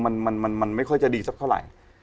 ท่านก็บอกเออมันมันไม่ค่อยจะดีซักเท่าไหร่